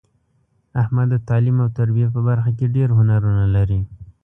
احمد د تعلیم او تربیې په برخه کې ډېر هنرونه لري.